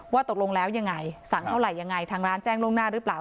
ตกลงแล้วยังไงสั่งเท่าไหร่ยังไงทางร้านแจ้งล่วงหน้าหรือเปล่า